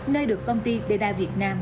nơi được công ty didai việt nam